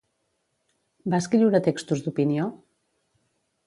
Va escriure textos d'opinió?